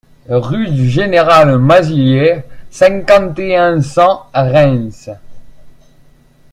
Rue du Général Mazillier, cinquante et un, cent Reims